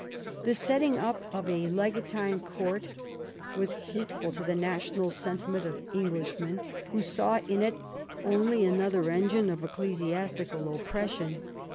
The setting up of a legatine court was hateful to the national sentiment of Englishmen, who saw in it only another engine of ecclesiastical oppression.